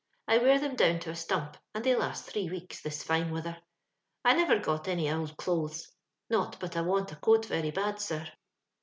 I wear them down to a stomp, and they last three weeks, this fine wither. I nivcr got any ould dothes — not but I want a coot very bad, sir.